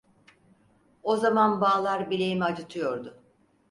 O zaman bağlar bileğimi acıtıyordu…